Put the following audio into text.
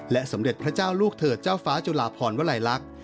และสมเด็จพระเจ้าลูกเถิดเจ้าฟ้าจุฬาภรวะไหลลักค์